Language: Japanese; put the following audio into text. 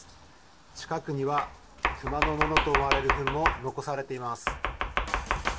近くには熊のものと思われるフンも残されています。